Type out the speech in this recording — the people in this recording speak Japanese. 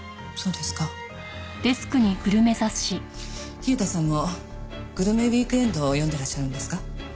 飛江田さんも『グルメウィークエンド』を読んでらっしゃるんですか？